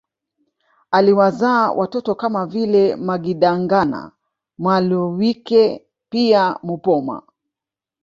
Aliwazaa watoto kama vile Magidangana Mhalwike pia Mupoma